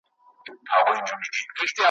څنګه به هیری کړم ماشومي او زلمۍ ورځي مي `